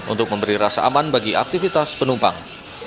untuk memberi rasa aman bagi aktivitas penumpang